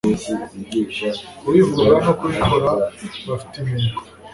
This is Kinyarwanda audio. kubivuga no kubikora bafite intego